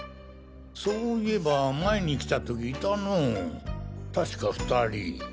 そういえば前に来た時いたのォ確か２人。